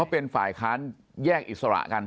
เป็นฝ่ายค้านแยกอิสระกัน